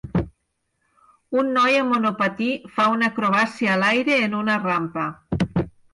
Un noi amb monopatí fa una acrobàcia a l'aire en una rampa.